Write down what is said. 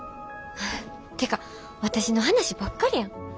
てか私の話ばっかりやん。